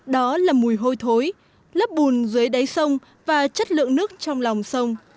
đó là mùi hôi thối lấp bùn dưới đáy sông và chất lượng nước trong lòng sông